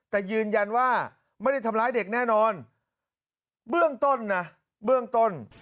แต่ยืนยันว่าไม่ได้ทำร้ายเด็กแน่นอนเบื้องต้นนะเบื้องต้น